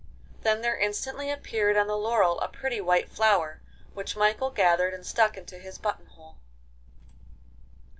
Then there instantly appeared on the laurel a pretty white flower, which Michael gathered and stuck into his button hole.